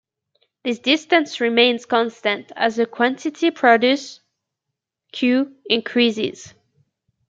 This distance remains constant as the quantity produced, Q, increases.